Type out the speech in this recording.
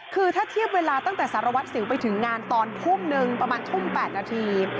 คือถ้าเทียบเวลาตั้งแต่สารวัตรสิวไปถึงงานตอนทุ่มนึงประมาณทุ่ม๘นาที